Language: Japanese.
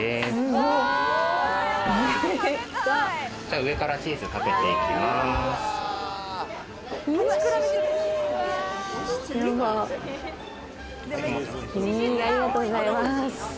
上からチーズかけていきます。